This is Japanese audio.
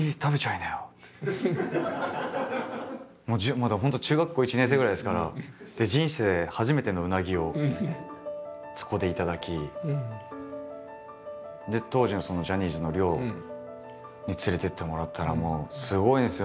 まだ本当中学校１年生ぐらいですから当時のジャニーズの寮に連れてってもらったらもうすごいんですよ